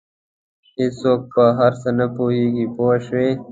هېڅوک په هر څه نه پوهېږي پوه شوې!.